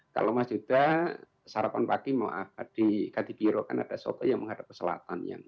kalau mas yuda sarapan pagi di kadipiro kan ada sopo yang menghadap ke selatan